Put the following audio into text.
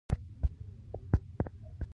د تاریخ ډېر توکي همدلته پراته دي.